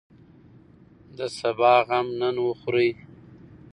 د سبا غم نن وخورئ.